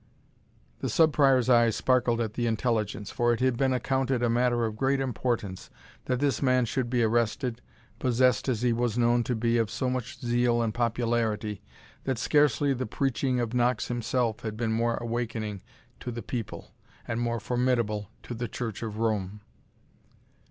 The Sub Prior's eyes sparkled at the intelligence; for it had been accounted a matter of great importance that this man should be arrested, possessed, as he was known to be, of so much zeal and popularity, that scarcely the preaching of Knox himself had been more awakening to the people, and more formidable to the Church of Rome.